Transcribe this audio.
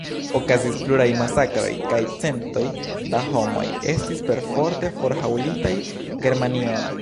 Okazis pluaj masakroj kaj centoj da homoj estis perforte forhaŭlitaj Germanion.